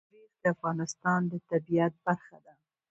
تاریخ د افغانستان د طبیعت برخه ده.